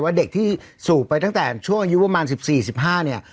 ว่าเด็กที่สูบไปตั้งแต่ช่วยอายุประมาณสิบสี่สิบห้า